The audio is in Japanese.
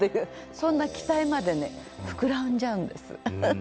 そんな期待までね膨らんじゃうんです。